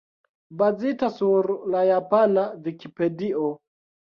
Bazita sur la japana Vikipedio.